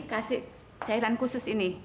kasih cairan khusus ini